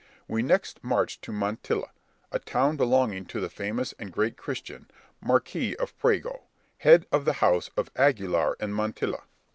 We next marched to Montilla, a town belonging to the famous and great christian, Marquis of Priego, head of the house of Aguilar and Montilla.